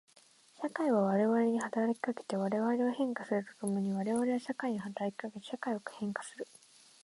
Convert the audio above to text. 社会は我々に働きかけて我々を変化すると共に我々は社会に働きかけて社会を変化する。